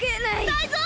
タイゾウ！